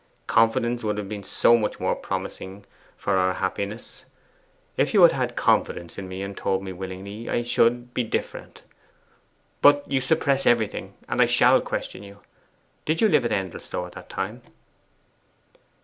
Confidence would have been so much more promising for our happiness. If you had had confidence in me, and told me willingly, I should be different. But you suppress everything, and I shall question you. Did you live at Endelstow at that time?